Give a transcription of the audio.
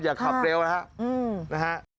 อย่าขับเร็วนะฮะ